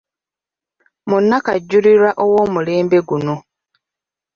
Munnakajulirwa ow’omulembe guno.